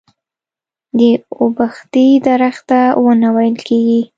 د اوبښتې درخته ونه ويل کيږي.